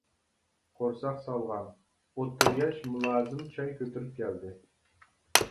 قورساق سالغان، ئوتتۇرا ياش مۇلازىم چاي كۆتۈرۈپ كەلدى.